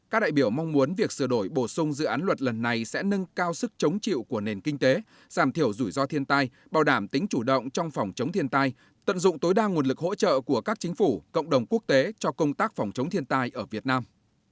các đại biểu mong muốn việc sửa đổi bổ sung dự án luật lần này sẽ nâng cao sức chống chịu của nền kinh tế giảm thiểu rủi ro thiên tai bảo đảm tính chủ động trong phòng chống thiên tai tận dụng tối đa nguồn lực hỗ trợ của các chính phủ cộng đồng quốc tế cho công tác phòng chống thiên tai ở việt nam